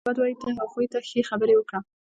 • که خلک تا ته بد وایي، ته هغوی ته ښې خبرې وکړه.